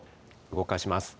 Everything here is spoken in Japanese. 動かします。